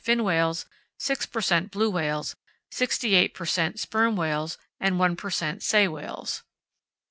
fin whales, 6 per cent. blue whales, 68 per cent. sperm whales, and 1 per cent. sei whales.